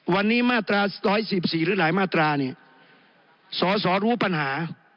วันนี้มาตราร้อยสิบสี่หรือหลายมาตรานี่สอสอรู้ปัญหา